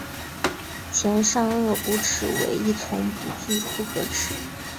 前上颌骨齿为一丛不具复合齿。